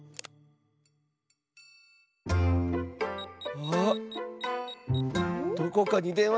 あっ⁉どこかにでんわしてる！